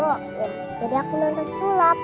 oke semoga berhasil